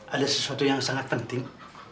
ada sesuatu yang sangat penting